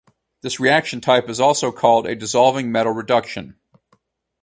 This reaction type is also called a dissolving metal reduction.